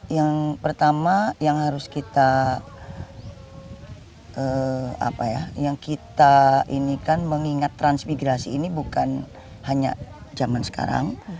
yang pertama yang harus kita apa ya yang kita ini kan mengingat transmigrasi ini bukan hanya zaman sekarang